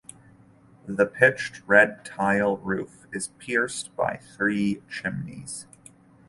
The pitched red tile roof is pierced by three chimneys.